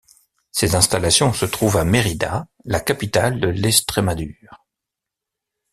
Ses installations se trouvent à Merida, la capitale de l'Estrémadure.